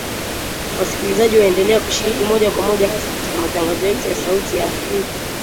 Wasikilizaji waendelea kushiriki moja kwa moja hasa katika matangazo yetu ya Sauti ya Afrika